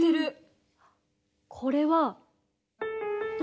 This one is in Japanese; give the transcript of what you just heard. これは。